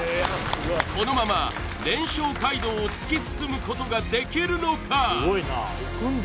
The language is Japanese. このまま連勝街道を突き進むことができるのか？